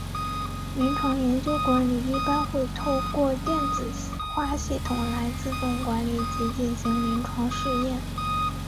临床研究管理一般会透过电子化系统来自动管理及进行临床试验。